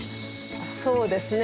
そうですね。